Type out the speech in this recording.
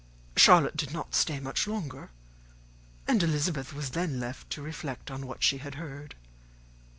Charlotte did not stay much longer; and Elizabeth was then left to reflect on what she had heard.